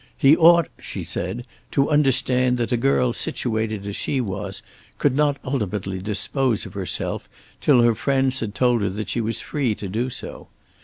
"He ought," she said, "to understand that a girl situated as she was could not ultimately dispose of herself till her friends had told her that she was free to do so.